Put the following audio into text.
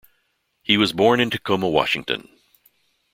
He was born in Tacoma, Washington.